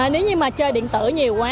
nếu như mà chơi điện tử nhiều quá